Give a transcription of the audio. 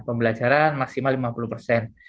pembelajaran maksimal lima puluh persen